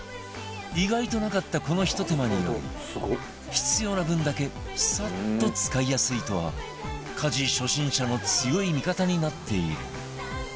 意外となかったこのひと手間により必要な分だけサッと使いやすいと家事初心者の強い味方になっている